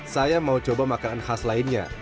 saya mau coba makanan khas lainnya